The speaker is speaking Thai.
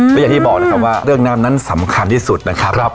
ก็อย่างที่บอกนะครับว่าเรื่องน้ำนั้นสำคัญที่สุดนะครับ